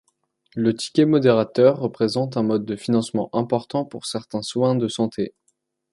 Le ticket modérateur représente un mode de financement important pour certains soins de santé.